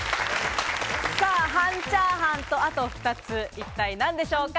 半チャーハンと、あと２つ、一体何でしょうか？